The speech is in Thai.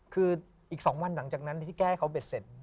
คืออีก๒วันหลังจากนั้นที่แก้ให้เขาเบ็ดเสร็จ